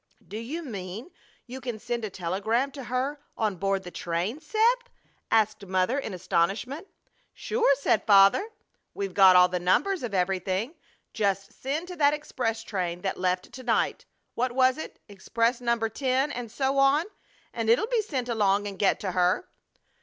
"Do you mean you can send a telegram to her on board the train, Seth?" asked Mother, in astonishment. "Sure!" said Father. "We've got all the numbers of everything. Just send to that express train that left to night. What was it Express number ten, and so on, and it'll be sent along and get to her."